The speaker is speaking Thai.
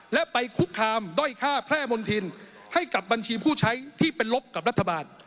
และไปคุกคามด้อยค่าแพร่มณฑินให้กับบัญชีผู้ใช้ที่เป็นลบกับรัฐบาล